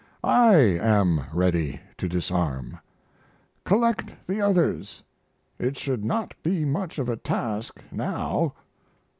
I am ready to disarm. Collect the others; it should not be much of a task now.